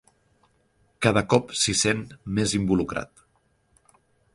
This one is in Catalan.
Cada cop s'hi sent més involucrat.